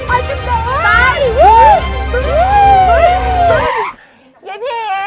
มาบ้านเลยจ้ะ